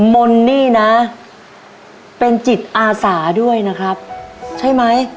มนต์นี่นะเป็นจิตอาสาด้วยนะครับใช่ไหม